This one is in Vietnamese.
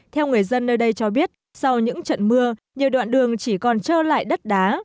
theo người dân nơi đây cho biết sau những trận mưa nhiều đoạn đường chỉ còn trơ lại đất đá